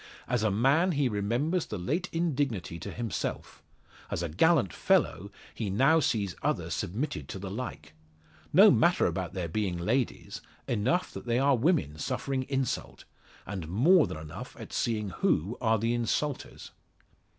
As a man he remembers the late indignity to himself; as a gallant fellow he now sees others submitted to the like. No matter about their being ladies; enough that they are women suffering insult; and more than enough at seeing who are the insulters.